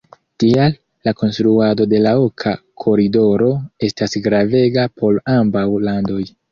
Tial, la konstruado de la Oka Koridoro estas gravega por ambaŭ landoj.